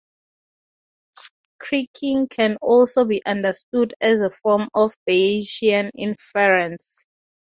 Kriging can also be understood as a form of Bayesian inference.